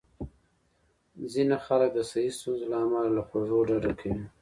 ځینې خلک د صحي ستونزو له امله له خوږو ډډه کوي.